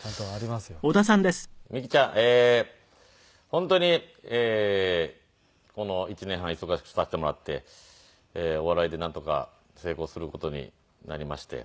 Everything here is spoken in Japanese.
本当にこの１年半忙しくさせてもらってお笑いでなんとか成功する事になりまして。